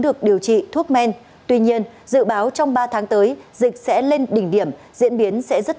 được điều trị thuốc men tuy nhiên dự báo trong ba tháng tới dịch sẽ lên đỉnh điểm diễn biến sẽ rất